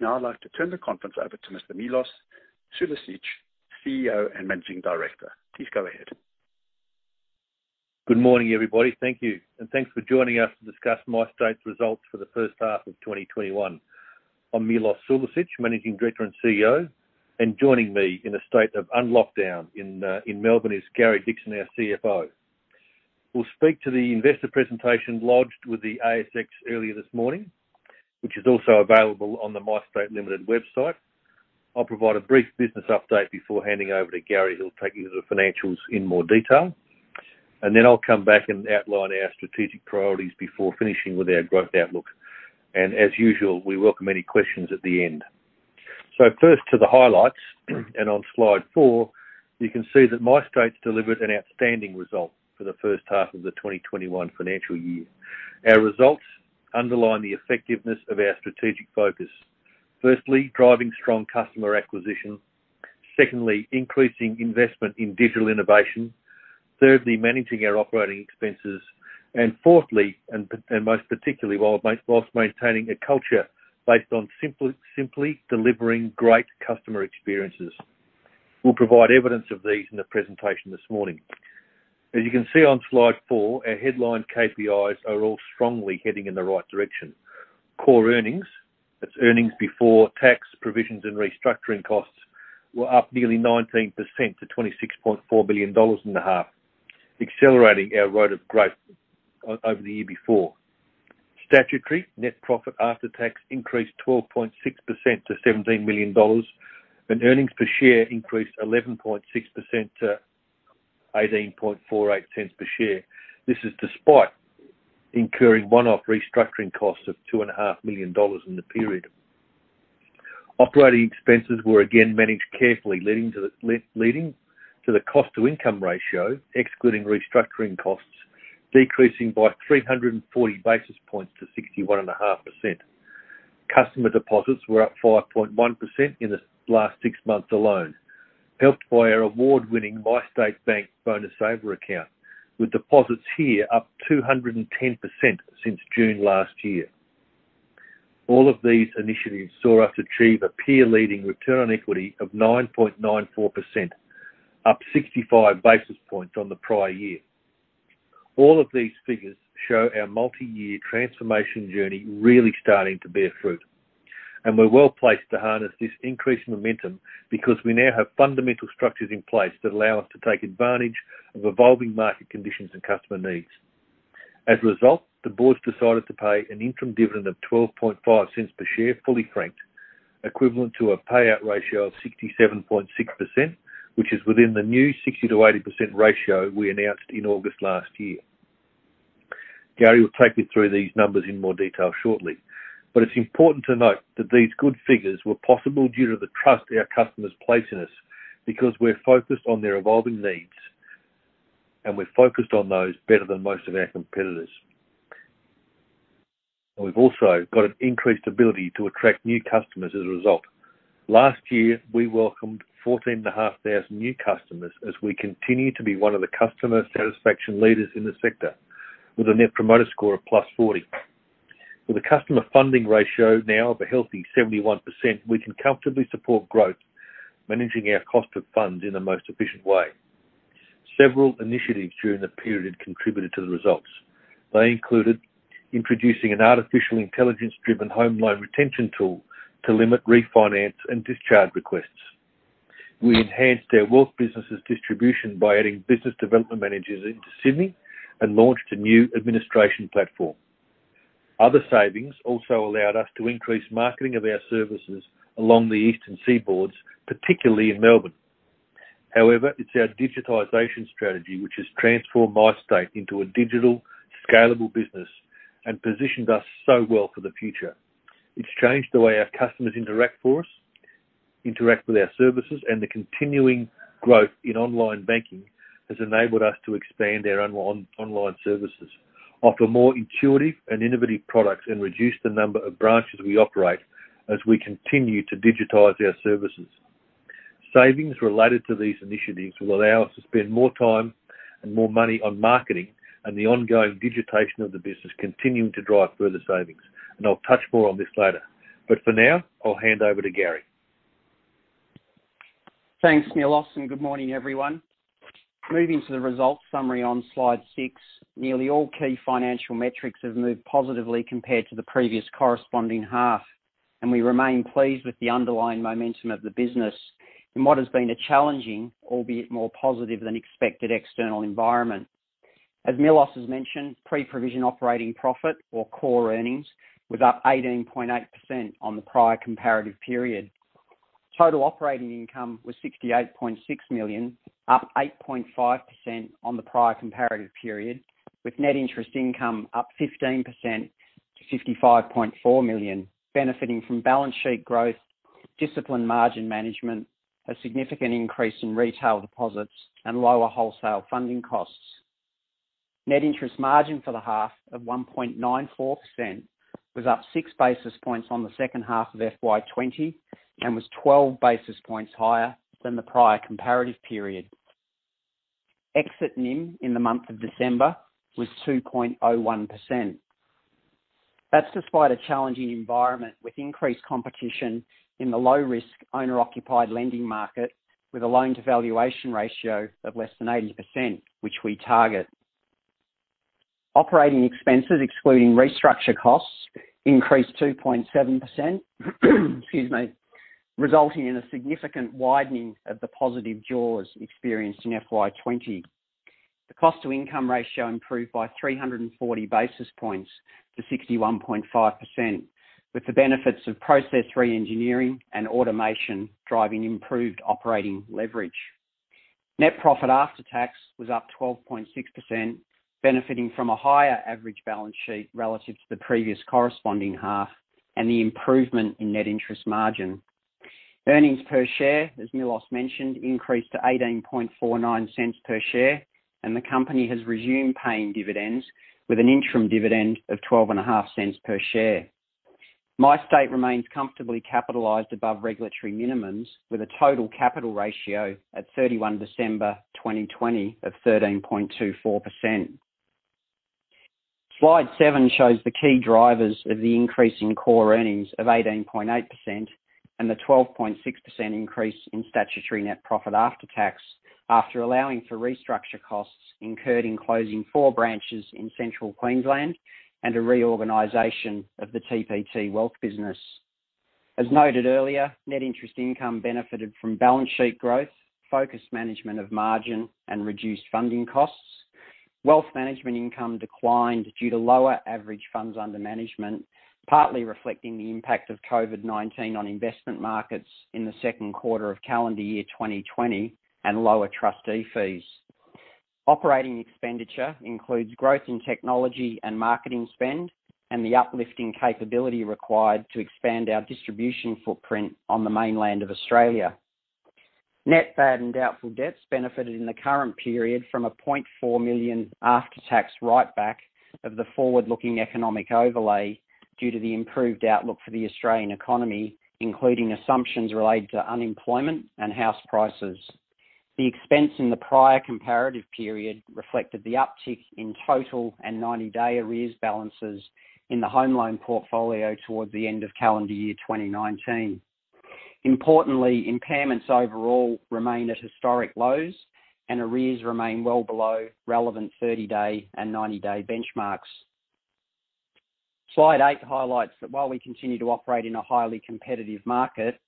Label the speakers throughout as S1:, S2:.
S1: I would now like to turn the conference over to Mr. Melos Sulicich, CEO and Managing Director. Please go ahead.
S2: Good morning, everybody. Thank you, and thanks for joining us to discuss MyState's results for the first half of 2021. I'm Melos Sulicich, Managing Director and CEO, joining me in a state of unlocked down in Melbourne is Gary Dickson, our CFO. We'll speak to the investor presentation lodged with the ASX earlier this morning, which is also available on the MyState Limited website. I'll provide a brief business update before handing over to Gary, who'll take you through the financials in more detail. I'll come back and outline our strategic priorities before finishing with our growth outlook. As usual, we welcome any questions at the end. First to the highlights, on slide four, you can see that MyState's delivered an outstanding result for the first half of the 2021 financial year. Our results underline the effectiveness of our strategic focus. Firstly, driving strong customer acquisition. Secondly, increasing investment in digital innovation. Thirdly, managing our operating expenses. Fourthly, and most particularly, while maintaining a culture based on simply delivering great customer experiences. We'll provide evidence of these in the presentation this morning. As you can see on slide four, our headline KPIs are all strongly heading in the right direction. Core earnings, that's earnings before tax provisions and restructuring costs, were up nearly 19% to 26.4 million dollars in the half, accelerating our rate of growth over the year before. Statutory net profit after tax increased 12.6% to 17 million dollars, and earnings per share increased 11.6% to 0.1848 per share. This is despite incurring one-off restructuring costs of 2.5 million dollars in the period. Operating expenses were again managed carefully, leading to the cost-to-income ratio, excluding restructuring costs, decreasing by 340 basis points to 61.5%. Customer deposits were up 5.1% in the last six months alone, helped by our award-winning MyState Bank Bonus Saver Account, with deposits here up 210% since June last year. All of these initiatives saw us achieve a peer-leading return on equity of 9.94%, up 65 basis points on the prior year. All of these figures show our multi-year transformation journey really starting to bear fruit. We're well-placed to harness this increased momentum because we now have fundamental structures in place that allow us to take advantage of evolving market conditions and customer needs. As a result, the board's decided to pay an interim dividend of 0.125 per share, fully franked, equivalent to a payout ratio of 67.6%, which is within the new 60%-80% ratio we announced in August last year. Gary will take you through these numbers in more detail shortly. It's important to note that these good figures were possible due to the trust our customers place in us because we're focused on their evolving needs, and we're focused on those better than most of our competitors. We've also got an increased ability to attract new customers as a result. Last year, we welcomed 14,500 new customers as we continue to be one of the customer satisfaction leaders in the sector with a net promoter score of +40. With a customer funding ratio now of a healthy 71%, we can comfortably support growth, managing our cost of funds in the most efficient way. Several initiatives during the period contributed to the results. They included introducing an artificial intelligence-driven home loan retention tool to limit refinance and discharge requests. We enhanced our wealth businesses distribution by adding business development managers into Sydney and launched a new administration platform. Other savings also allowed us to increase marketing of our services along the eastern seaboards, particularly in Melbourne. However, it's our digitization strategy which has transformed MyState into a digital scalable business and positioned us so well for the future. It's changed the way our customers interact with our services, and the continuing growth in online banking has enabled us to expand our online services, offer more intuitive and innovative products, and reduce the number of branches we operate as we continue to digitize our services. Savings related to these initiatives will allow us to spend more time and more money on marketing and the ongoing digitization of the business, continuing to drive further savings. I'll touch more on this later. For now, I'll hand over to Gary.
S3: Thanks, Melos. Good morning, everyone. Moving to the results summary on slide six. Nearly all key financial metrics have moved positively compared to the previous corresponding half, and we remain pleased with the underlying momentum of the business in what has been a challenging, albeit more positive than expected, external environment. As Melos has mentioned, pre-provision operating profit or core earnings were up 18.8% on the prior comparative period. Total operating income was 68.6 million, up 8.5% on the prior comparative period, with net interest income up 15% to 55.4 million, benefiting from balance sheet growth, disciplined margin management, a significant increase in retail deposits, and lower wholesale funding costs. Net interest margin for the half of 1.94% was up six basis points on the second half of FY 2020 and was 12 basis points higher than the prior comparative period. Exit NIM in the month of December was 2.01%. That's despite a challenging environment with increased competition in the low-risk, owner-occupied lending market, with a loan-to-valuation ratio of less than 80%, which we target. Operating expenses, excluding restructure costs, increased 2.7%, excuse me, resulting in a significant widening of the positive jaws experienced in FY 2020. The cost-to-income ratio improved by 340 basis points to 61.5%, with the benefits of process re-engineering and automation driving improved operating leverage. Net profit after tax was up 12.6%, benefiting from a higher average balance sheet relative to the previous corresponding half and the improvement in net interest margin. Earnings per share, as Melos mentioned, increased to 0.1849 per share, and the company has resumed paying dividends with an interim dividend of 0.125 per share. MyState remains comfortably capitalized above regulatory minimums, with a total capital ratio at 31 December 2020 of 13.24%. Slide seven shows the key drivers of the increase in core earnings of 18.8% and the 12.6% increase in statutory net profit after tax, after allowing for restructure costs incurred in closing four branches in Central Queensland and a reorganization of the TPT Wealth business. As noted earlier, net interest income benefited from balance sheet growth, focused management of margin, and reduced funding costs. Wealth management income declined due to lower average funds under management, partly reflecting the impact of COVID-19 on investment markets in the second quarter of calendar year 2020 and lower trustee fees. Operating expenditure includes growth in technology and marketing spend and the uplifting capability required to expand our distribution footprint on the mainland of Australia. Net bad and doubtful debts benefited in the current period from an 0.4 million after-tax write-back of the forward-looking economic overlay due to the improved outlook for the Australian economy, including assumptions related to unemployment and house prices. The expense in the prior comparative period reflected the uptick in total and 90-day arrears balances in the home loan portfolio towards the end of calendar year 2019. Importantly, impairments overall remained at historic lows, and arrears remain well below relevant 30-day and 90-day benchmarks. Slide eight highlights that while we continue to operate in a highly competitive market,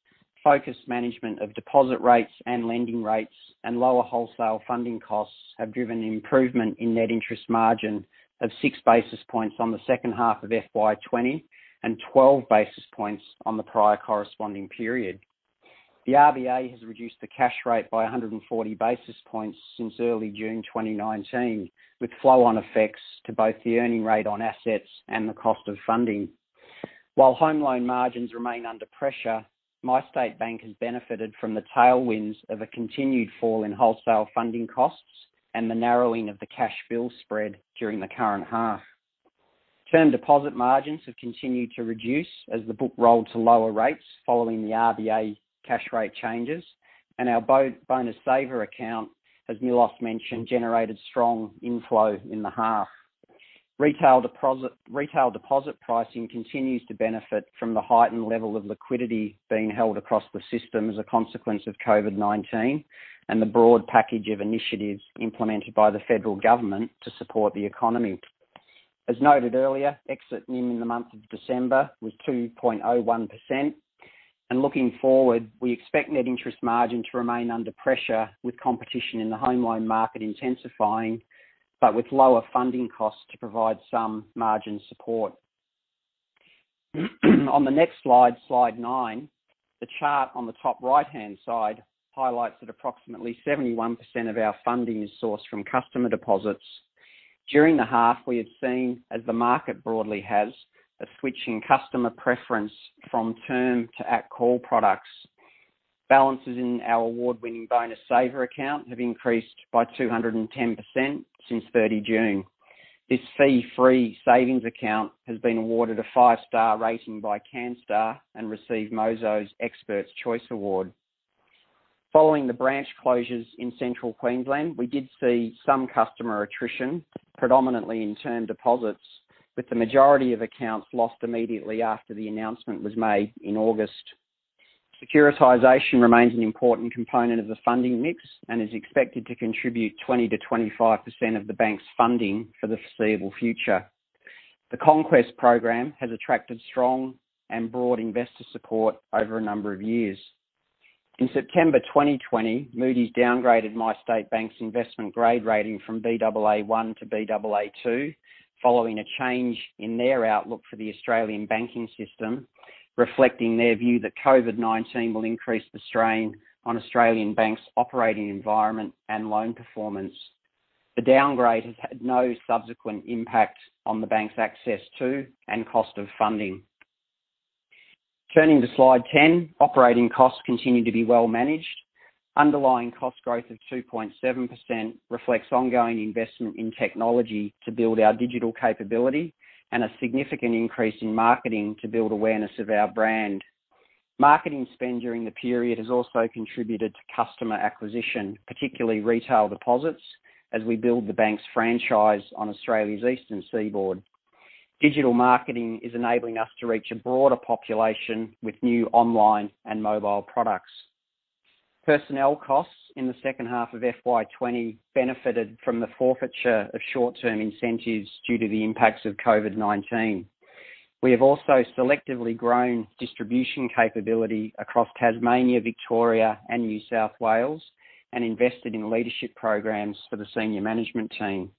S3: focused management of deposit rates and lending rates and lower wholesale funding costs have driven the improvement in net interest margin of six basis points on the second half of FY 2020 and 12 basis points on the prior corresponding period. The RBA has reduced the cash rate by 140 basis points since early June 2019, with flow-on effects to both the earning rate on assets and the cost of funding. While home loan margins remain under pressure, MyState Bank has benefited from the tailwinds of a continued fall in wholesale funding costs and the narrowing of the cash-bill spread during the current half. Term deposit margins have continued to reduce as the book rolled to lower rates following the RBA cash rate changes, and our Bonus Saver Account, as Melos mentioned, generated strong inflow in the half. Retail deposit pricing continues to benefit from the heightened level of liquidity being held across the system as a consequence of COVID-19 and the broad package of initiatives implemented by the federal government to support the economy. As noted earlier, exit NIM in the month of December was 2.01%. Looking forward, we expect net interest margin to remain under pressure, with competition in the home loan market intensifying, but with lower funding costs to provide some margin support. On the next slide nine, the chart on the top right-hand side highlights that approximately 71% of our funding is sourced from customer deposits. During the half, we have seen, as the market broadly has, a switch in customer preference from term to at-call products. Balances in our award-winning Bonus Saver Account have increased by 210% since 30 June. This fee-free savings account has been awarded a five-star rating by Canstar and received Mozo's Experts Choice Award. Following the branch closures in Central Queensland, we did see some customer attrition, predominantly in term deposits, with the majority of accounts lost immediately after the announcement was made in August. Securitization remains an important component of the funding mix and is expected to contribute 20%-25% of the bank's funding for the foreseeable future. The CONQUEST program has attracted strong and broad investor support over a number of years. In September 2020, Moody's downgraded MyState Bank's investment grade rating from Baa1 to Baa2, following a change in their outlook for the Australian banking system, reflecting their view that COVID-19 will increase the strain on Australian banks' operating environment and loan performance. The downgrade has had no subsequent impact on the bank's access to and cost of funding. Turning to slide 10, operating costs continue to be well managed. Underlying cost growth of 2.7% reflects ongoing investment in technology to build our digital capability and a significant increase in marketing to build awareness of our brand. Marketing spend during the period has also contributed to customer acquisition, particularly retail deposits, as we build the bank's franchise on Australia's eastern seaboard. Digital marketing is enabling us to reach a broader population with new online and mobile products. Personnel costs in the second half of FY 2020 benefited from the forfeiture of short-term incentives due to the impacts of COVID-19. We have also selectively grown distribution capability across Tasmania, Victoria, and New South Wales, and invested in leadership programs for the senior management team.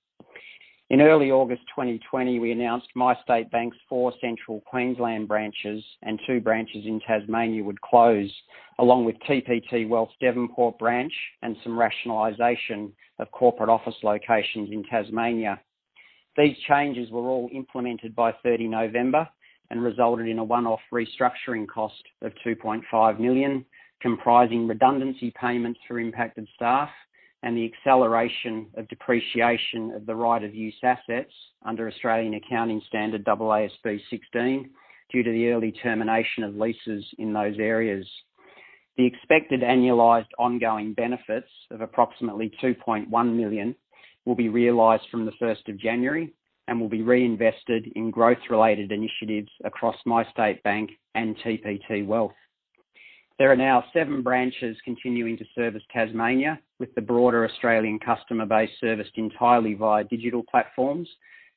S3: In early August 2020, we announced MyState Bank's four central Queensland branches and two branches in Tasmania would close, along with TPT Wealth's Devonport branch and some rationalization of corporate office locations in Tasmania. These changes were all implemented by 3rd November and resulted in a one-off restructuring cost of 2.5 million, comprising redundancy payments for impacted staff and the acceleration of depreciation of the right of use assets under Australian Accounting Standard AASB 16 due to the early termination of leases in those areas. The expected annualized ongoing benefits of approximately 2.1 million will be realized from the 1st of January and will be reinvested in growth-related initiatives across MyState Bank and TPT Wealth. There are now seven branches continuing to service Tasmania with the broader Australian customer base serviced entirely via digital platforms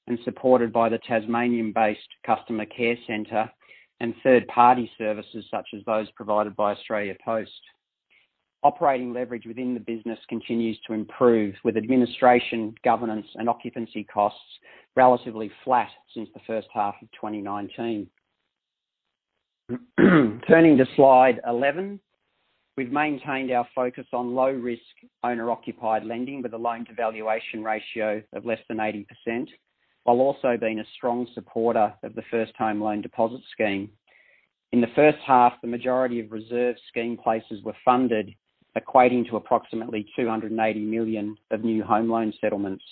S3: and supported by the Tasmanian-based customer care center and third-party services, such as those provided by Australia Post. Operating leverage within the business continues to improve, with administration, governance, and occupancy costs relatively flat since the first half of 2019. Turning to slide 11. We've maintained our focus on low-risk, owner-occupied lending with a loan-to-valuation ratio of less than 80%, while also being a strong supporter of the First Home Loan Deposit Scheme. In the first half, the majority of reserve scheme places were funded, equating to approximately 280 million of new home loan settlements.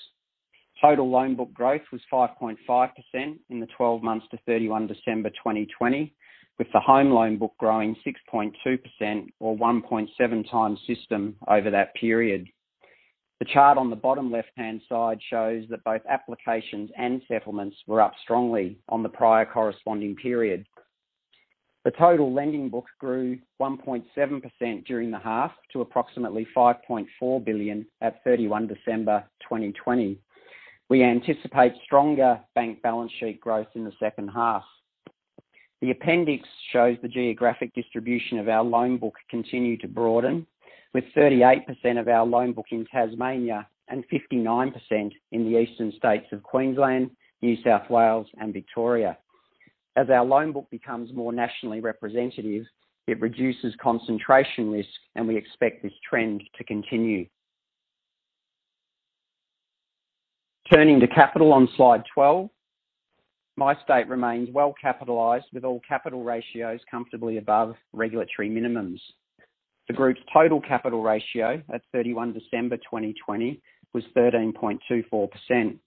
S3: Total loan book growth was 5.5% in the 12 months to 31 December 2020, with the home loan book growing 6.2% or 1.7 times system over that period. The chart on the bottom left-hand side shows that both applications and settlements were up strongly on the prior corresponding period. The total lending books grew 1.7% during the half to approximately 5.4 billion at 31 December 2020. We anticipate stronger bank balance sheet growth in the second half. The appendix shows the geographic distribution of our loan book continue to broaden, with 38% of our loan book in Tasmania and 59% in the eastern states of Queensland, New South Wales, and Victoria. As our loan book becomes more nationally representative, it reduces concentration risk, and we expect this trend to continue. Turning to capital on slide 12. MyState remains well capitalized with all capital ratios comfortably above regulatory minimums. The group's total capital ratio at 31 December 2020 was 13.24%.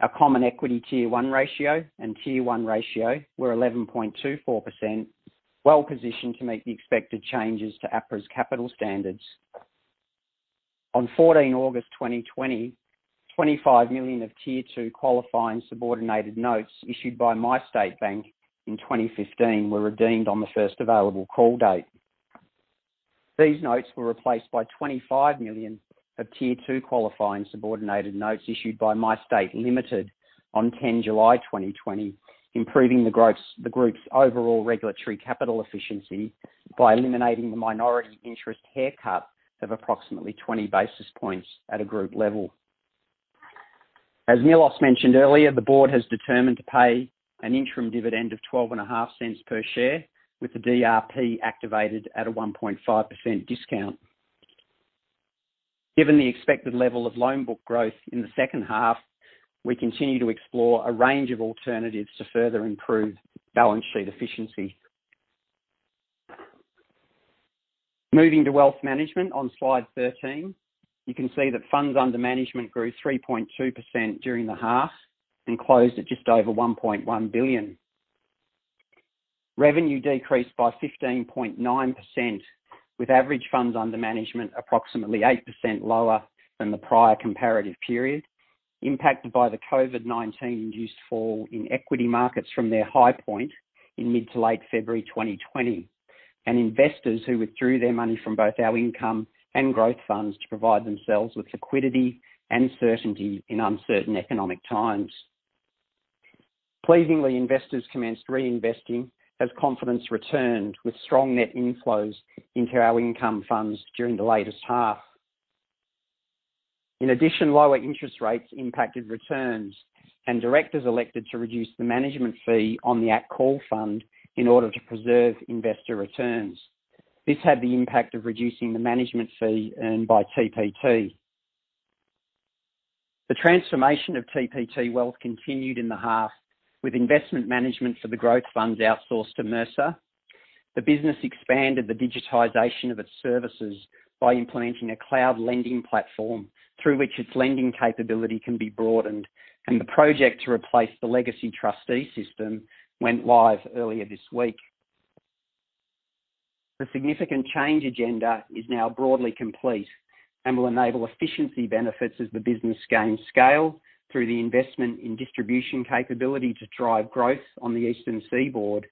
S3: Our common equity Tier 1 ratio and Tier 1 ratio were 11.24%, well positioned to meet the expected changes to APRA's capital standards. On 14 August 2020, 25 million of Tier 2 qualifying subordinated notes issued by MyState Bank in 2015 were redeemed on the first available call date. These notes were replaced by 25 million of Tier 2 qualifying subordinated notes issued by MyState Limited on 10 July 2020, improving the group's overall regulatory capital efficiency by eliminating the minority interest haircut of approximately 20 basis points at a group level. As Melos mentioned earlier, the board has determined to pay an interim dividend of 0.125 per share, with the DRP activated at a 1.5% discount. Given the expected level of loan book growth in the second half, we continue to explore a range of alternatives to further improve balance sheet efficiency. Moving to wealth management on slide 13. You can see that funds under management grew 3.2% during the half and closed at just over 1.1 billion. Revenue decreased by 15.9%, with average funds under management approximately 8% lower than the prior comparative period, impacted by the COVID-19-induced fall in equity markets from their high point in mid to late February 2020, and investors who withdrew their money from both our income and growth funds to provide themselves with liquidity and certainty in uncertain economic times. Pleasingly, investors commenced reinvesting as confidence returned, with strong net inflows into our income funds during the latest half. In addition, lower interest rates impacted returns, and directors elected to reduce the management fee on the at call fund in order to preserve investor returns. This had the impact of reducing the management fee earned by TPT. The transformation of TPT Wealth continued in the half, with investment management for the growth funds outsourced to Mercer. The business expanded the digitization of its services by implementing a cloud lending platform through which its lending capability can be broadened and the project to replace the legacy trustee system went live earlier this week. The significant change agenda is now broadly complete and will enable efficiency benefits as the business gains scale through the investment in distribution capability to drive growth on the eastern seaboard,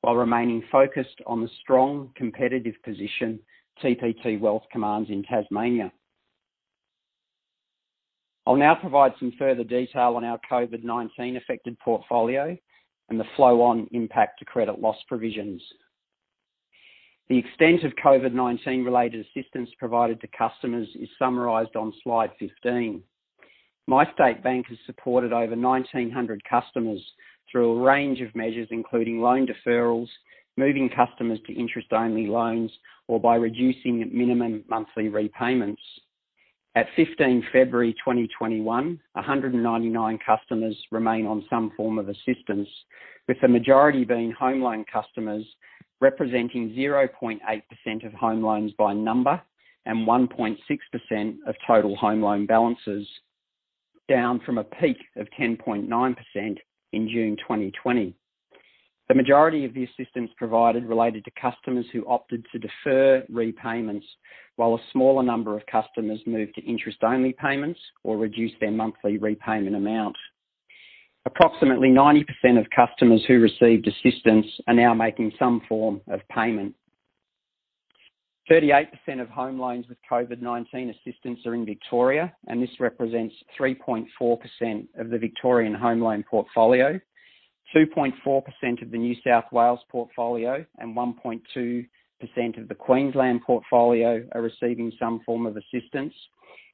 S3: while remaining focused on the strong competitive position TPT Wealth commands in Tasmania. I'll now provide some further detail on our COVID-19 affected portfolio and the flow on impact to credit loss provisions. The extent of COVID-19 related assistance provided to customers is summarized on slide 15. MyState Bank has supported over 1,900 customers through a range of measures, including loan deferrals, moving customers to interest-only loans, or by reducing minimum monthly repayments. At 15 February 2021, 199 customers remain on some form of assistance, with the majority being home loan customers, representing 0.8% of home loans by number and 1.6% of total home loan balances, down from a peak of 10.9% in June 2020. The majority of the assistance provided related to customers who opted to defer repayments, while a smaller number of customers moved to interest-only payments or reduced their monthly repayment amount. Approximately 90% of customers who received assistance are now making some form of payment. 38% of home loans with COVID-19 assistance are in Victoria, and this represents 3.4% of the Victorian home loan portfolio, 2.4% of the New South Wales portfolio, and 1.2% of the Queensland portfolio are receiving some form of assistance.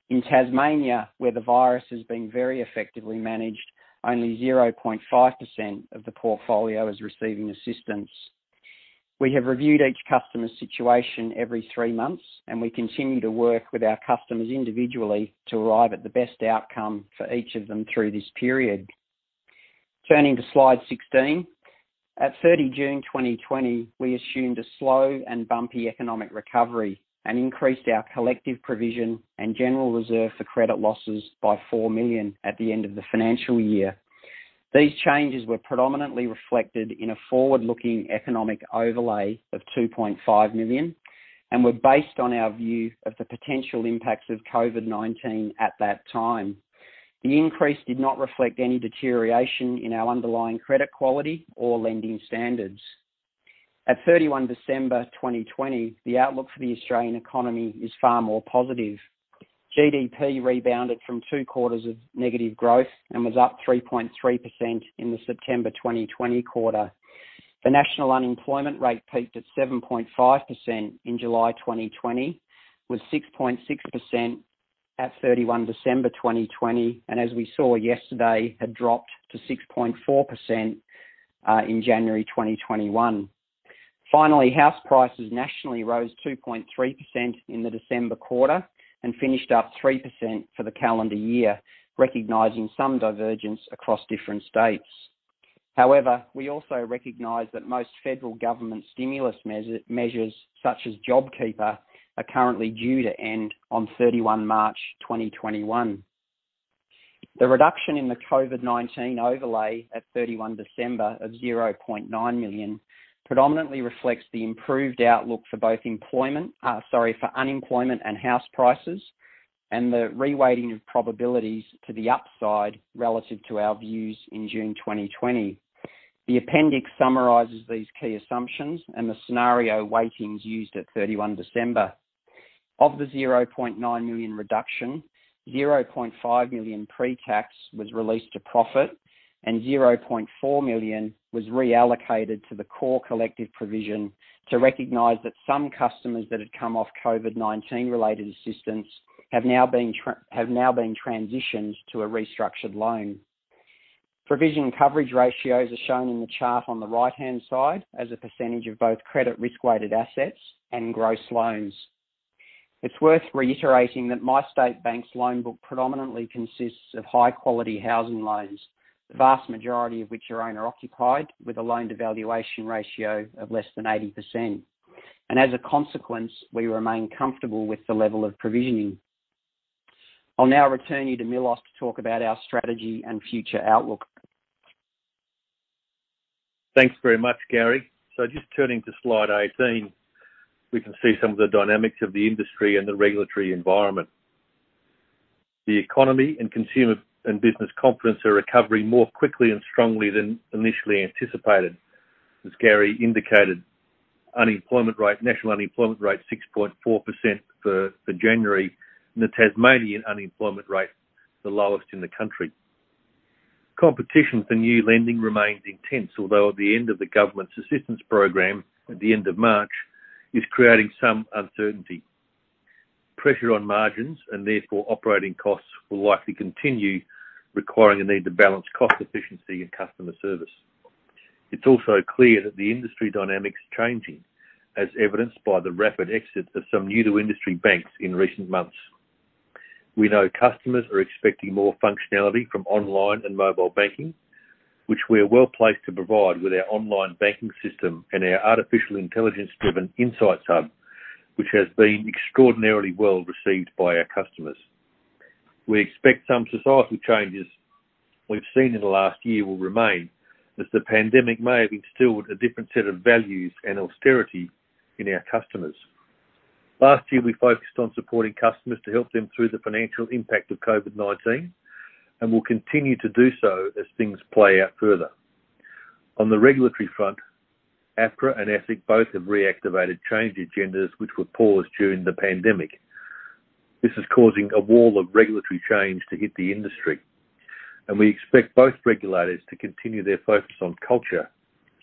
S3: In Tasmania, where the virus has been very effectively managed, only 0.5% of the portfolio is receiving assistance. We have reviewed each customer's situation every three months, and we continue to work with our customers individually to arrive at the best outcome for each of them through this period. Turning to slide 16. At 30 June 2020, we assumed a slow and bumpy economic recovery and increased our collective provision and general reserve for credit losses by 4 million at the end of the financial year. These changes were predominantly reflected in a forward-looking economic overlay of 2.5 million and were based on our view of the potential impacts of COVID-19 at that time. The increase did not reflect any deterioration in our underlying credit quality or lending standards. At 31 December 2020, the outlook for the Australian economy is far more positive. GDP rebounded from two quarters of negative growth and was up 3.3% in the September 2020 quarter. The national unemployment rate peaked at 7.5% in July 2020, with 6.6% at 31 December 2020, and as we saw yesterday, had dropped to 6.4% in January 2021. Finally, house prices nationally rose 2.3% in the December quarter and finished up 3% for the calendar year, recognizing some divergence across different states. However, we also recognize that most federal government stimulus measures, such as JobKeeper, are currently due to end on 31 March 2021. The reduction in the COVID-19 overlay at 31 December of 0.9 million predominantly reflects the improved outlook for unemployment and house prices and the reweighting of probabilities to the upside relative to our views in June 2020. The appendix summarizes these key assumptions and the scenario weightings used at 31 December. Of the 0.9 million reduction, 0.5 million pre-tax was released to profit and 0.4 million was reallocated to the core collective provision to recognize that some customers that had come off COVID-19 related assistance have now been transitioned to a restructured loan. Provision coverage ratios are shown in the chart on the right-hand side as a percentage of both credit risk-weighted assets and gross loans. It's worth reiterating that MyState Bank's loan book predominantly consists of high-quality housing loans, the vast majority of which are owner-occupied with a loan-to-valuation ratio of less than 80%. As a consequence, we remain comfortable with the level of provisioning. I'll now return you to Melos to talk about our strategy and future outlook.
S2: Thanks very much, Gary. Just turning to slide 18, we can see some of the dynamics of the industry and the regulatory environment. The economy and consumer and business confidence are recovering more quickly and strongly than initially anticipated. As Gary indicated, national unemployment rate 6.4% for January, and the Tasmanian unemployment rate, the lowest in the country. Competition for new lending remains intense, although at the end of the government's assistance program at the end of March, is creating some uncertainty. Pressure on margins, and therefore operating costs, will likely continue, requiring a need to balance cost efficiency and customer service. It's also clear that the industry dynamic's changing, as evidenced by the rapid exit of some new to industry banks in recent months. We know customers are expecting more functionality from online and mobile banking, which we are well-placed to provide with our online banking system and our artificial intelligence-driven insight hub, which has been extraordinarily well received by our customers. We expect some societal changes we've seen in the last year will remain, as the pandemic may have instilled a different set of values and austerity in our customers. Last year, we focused on supporting customers to help them through the financial impact of COVID-19, and we'll continue to do so as things play out further. On the regulatory front, APRA and ASIC both have reactivated change agendas which were paused during the pandemic. This is causing a wall of regulatory change to hit the industry, and we expect both regulators to continue their focus on culture,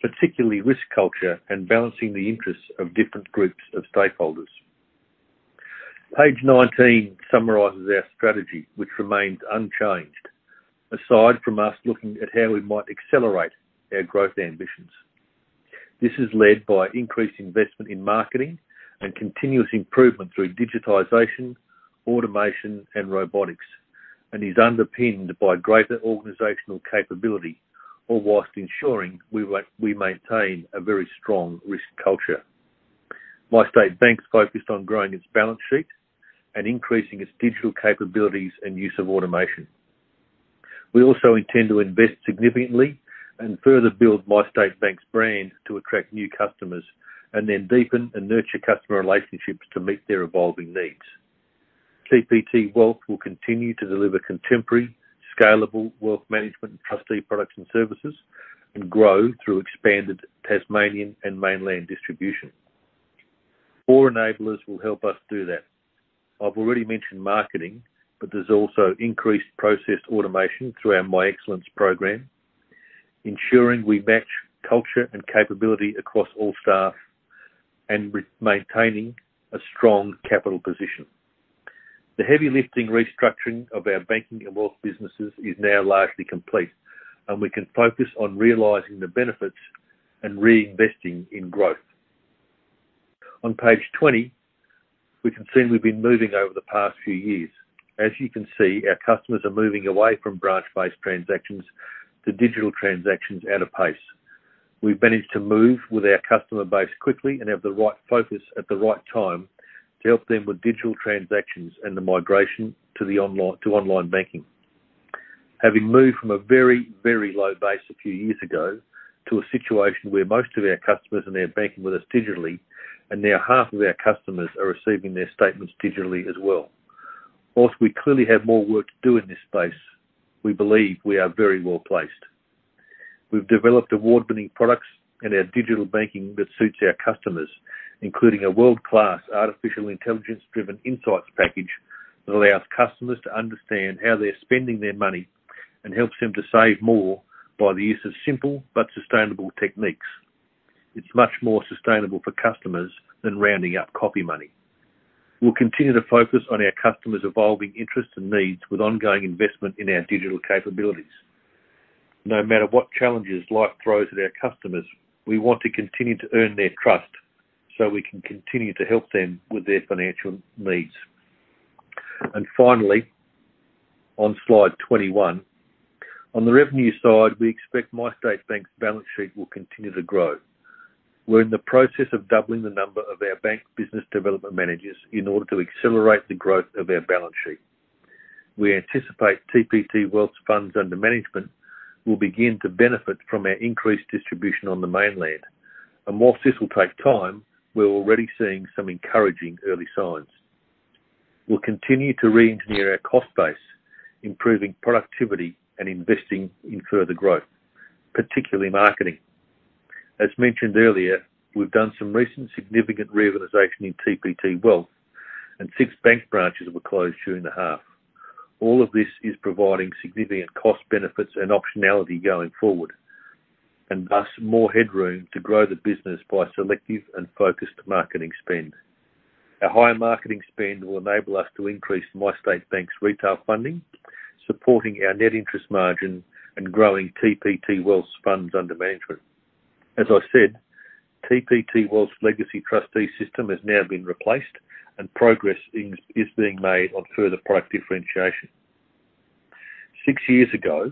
S2: particularly risk culture and balancing the interests of different groups of stakeholders. Page 19 summarizes our strategy, which remains unchanged, aside from us looking at how we might accelerate our growth ambitions. This is led by increased investment in marketing and continuous improvement through digitization, automation, and robotics, and is underpinned by greater organizational capability, all whilst ensuring we maintain a very strong risk culture. MyState Bank's focused on growing its balance sheet and increasing its digital capabilities and use of automation. We also intend to invest significantly and further build MyState Bank's brand to attract new customers, and then deepen and nurture customer relationships to meet their evolving needs. TPT Wealth will continue to deliver contemporary, scalable wealth management and trustee products and services and grow through expanded Tasmanian and mainland distribution. Four enablers will help us do that. I've already mentioned marketing, but there's also increased process automation through our My Excellence program, ensuring we match culture and capability across all staff, and maintaining a strong capital position. The heavy lifting restructuring of our banking and wealth businesses is now largely complete, and we can focus on realizing the benefits and reinvesting in growth. On page 20, we can see we've been moving over the past few years. As you can see, our customers are moving away from branch-based transactions to digital transactions at a pace. We've managed to move with our customer base quickly and have the right focus at the right time to help them with digital transactions and the migration to online banking. Having moved from a very, very low base a few years ago to a situation where most of our customers are now banking with us digitally, and now half of our customers are receiving their statements digitally as well. Whilst we clearly have more work to do in this space, we believe we are very well-placed. We've developed award-winning products and our digital banking that suits our customers, including a world-class artificial intelligence-driven insights package that allows customers to understand how they're spending their money and helps them to save more by the use of simple but sustainable techniques. It's much more sustainable for customers than rounding up coffee money. We'll continue to focus on our customers' evolving interests and needs with ongoing investment in our digital capabilities. No matter what challenges life throws at our customers, we want to continue to earn their trust so we can continue to help them with their financial needs. Finally, on slide 21. On the revenue side, we expect MyState Bank's balance sheet will continue to grow. We're in the process of doubling the number of our bank business development managers in order to accelerate the growth of our balance sheet. We anticipate TPT Wealth's funds under management will begin to benefit from our increased distribution on the mainland. Whilst this will take time, we're already seeing some encouraging early signs. We'll continue to reengineer our cost base, improving productivity and investing in further growth, particularly marketing. As mentioned earlier, we've done some recent significant reorganization in TPT Wealth, and six bank branches were closed during the half. All of this is providing significant cost benefits and optionality going forward, and thus more headroom to grow the business by selective and focused marketing spend. A higher marketing spend will enable us to increase MyState Bank's retail funding, supporting our net interest margin and growing TPT Wealth's funds under management. As I said, TPT Wealth's legacy trustee system has now been replaced, and progress is being made on further product differentiation. Six years ago,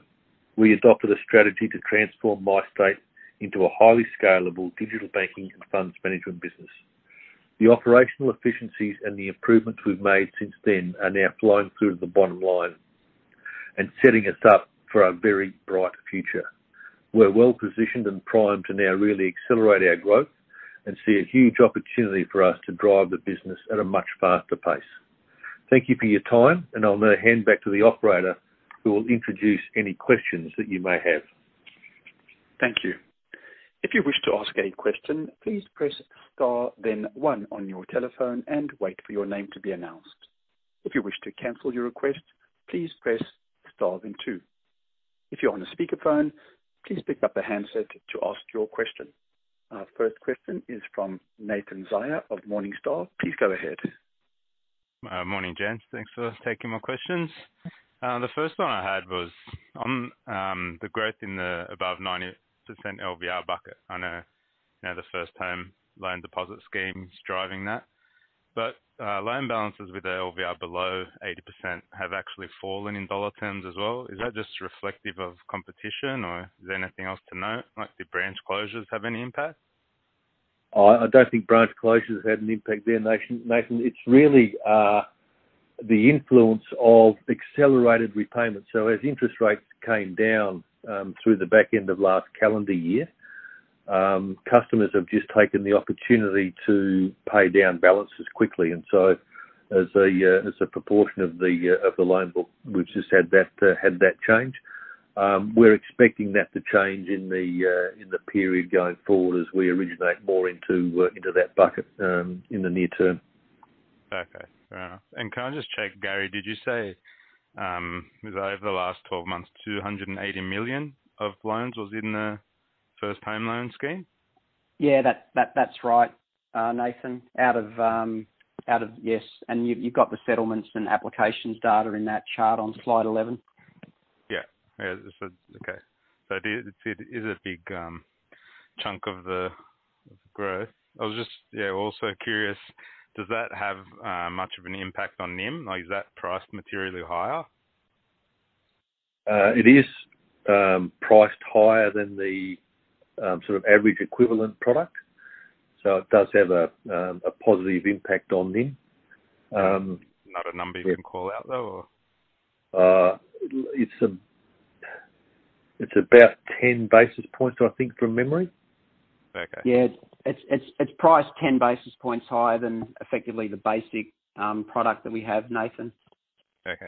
S2: we adopted a strategy to transform MyState into a highly scalable digital banking and funds management business. The operational efficiencies and the improvements we've made since then are now flowing through to the bottom line and setting us up for a very bright future. We're well positioned and primed to now really accelerate our growth and see a huge opportunity for us to drive the business at a much faster pace. Thank you for your time, and I'll now hand back to the operator who will introduce any questions that you may have.
S1: Thank you. If you wish to ask a question, please press star then one on your telephone and wait for your name to be anounced. If you wish to cancel your question, please star then two. If you are on speaker phone, please pick up your handset to ask your question. Our first question is from Nathan Zaia of Morningstar. Please go ahead.
S4: Morning, gents. Thanks for taking my questions. The first one I had was on the growth in the above 90% LVR bucket. I know the First Home Loan Deposit Scheme is driving that. Loan balances with LVR below 80% have actually fallen in dollar terms as well. Is that just reflective of competition, or is there anything else to note? Might the branch closures have any impact?
S2: I don't think branch closures had an impact there, Nathan. It's really the influence of accelerated repayments. As interest rates came down through the back end of last calendar year, customers have just taken the opportunity to pay down balances quickly. As a proportion of the loan book, we've just had that change. We're expecting that to change in the period going forward as we originate more into that bucket in the near term.
S4: Okay. Fair enough. Can I just check, Gary, did you say, was it over the last 12 months, 280 million of loans was in the First Home Loan Scheme?
S3: Yeah, that's right, Nathan. Yes. You've got the settlements and applications data in that chart on slide 11.
S4: Yeah. Okay. It is a big chunk of the growth. I was just, yeah, also curious, does that have much of an impact on NIM? Is that priced materially higher?
S2: It is priced higher than the sort of average equivalent product. It does have a positive impact on NIM.
S4: Not a number you can call out, though, or?
S2: It's about 10 basis points, I think, from memory.
S4: Okay.
S3: Yeah. It's priced 10 basis points higher than effectively the basic product that we have, Nathan.
S4: Okay.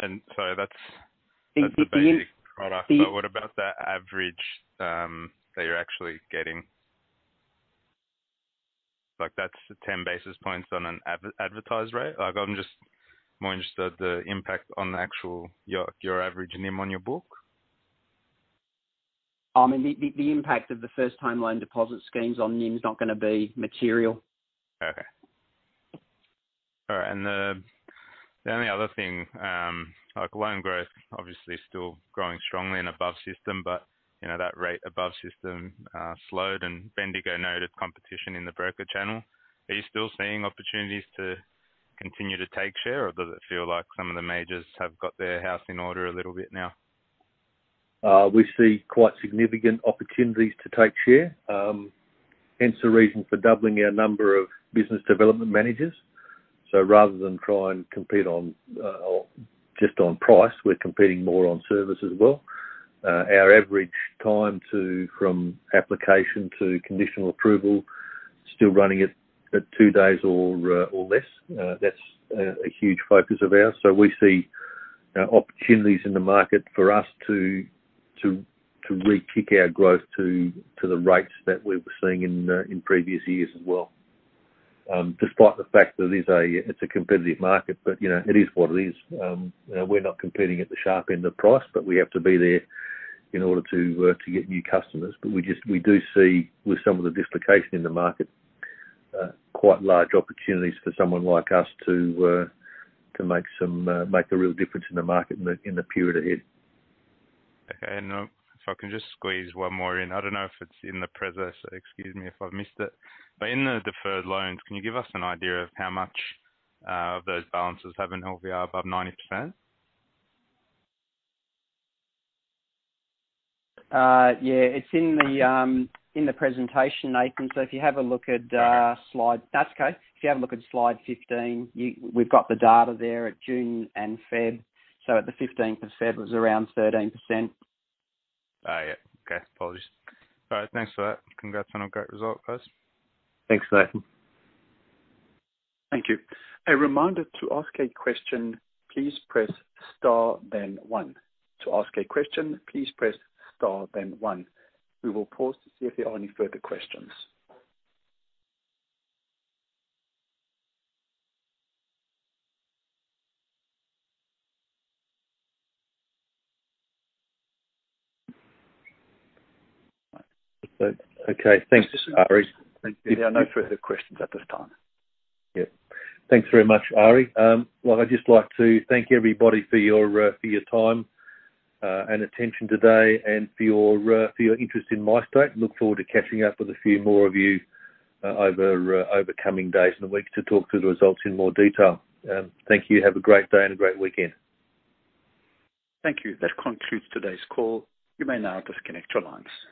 S4: That's the basic product. What about the average that you're actually getting? Like that's the 10 basis points on an advertised rate? I'm just more interested the impact on the actual, your average NIM on your book.
S3: I mean, the impact of the First Home Loan Deposit Schemes on NIM is not going to be material.
S4: Okay. All right, the only other thing, loan growth obviously still growing strongly and above system, but that rate above system slowed and Bendigo noted competition in the broker channel. Are you still seeing opportunities to continue to take share, or does it feel like some of the majors have got their house in order a little bit now?
S2: We see quite significant opportunities to take share, hence the reason for doubling our number of business development managers. Rather than try and compete just on price, we're competing more on service as well. Our average time from application to conditional approval, still running it at two days or less. That's a huge focus of ours. We see opportunities in the market for us to re-kick our growth to the rates that we were seeing in previous years as well, despite the fact that it's a competitive market. It is what it is. We're not competing at the sharp end of price, but we have to be there in order to get new customers. We do see, with some of the dislocation in the market, quite large opportunities for someone like us to make a real difference in the market in the period ahead.
S4: Okay. If I can just squeeze one more in. I don't know if it's in the presentation, excuse me if I've missed it. In the deferred loans, can you give us an idea of how much of those balances have an LVR above 90%?
S3: Yeah. It's in the presentation, Nathan.
S4: Okay.
S3: That's okay. If you have a look at slide 15, we've got the data there at June and Feb. At the 15th of Feb was around 13%.
S4: Oh, yeah. Okay. Apologies. All right. Thanks for that. Congrats on a great result, guys.
S2: Thanks, Nathan.
S1: Thank you. A reminder, to ask a question, please press star then one. To ask a question, please press star then one. We will pause to see if there are any further questions.
S2: Okay. Thanks, Ari.
S1: There are no further questions at this time.
S2: Yeah. Thanks very much, Ari. Well, I'd just like to thank everybody for your time and attention today and for your interest in MyState. Look forward to catching up with a few more of you over coming days in the week to talk through the results in more detail. Thank you. Have a great day and a great weekend.
S1: Thank you. That concludes today's call. You may now disconnect your lines.